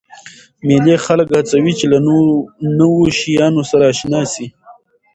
مېلې خلک هڅوي، چي له نوو شیانو سره اشنا سي.